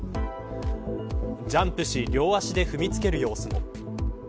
ジャンプし、両足で踏みつける様子も。